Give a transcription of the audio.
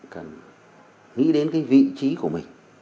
cần nghĩ đến cái vị trí của mình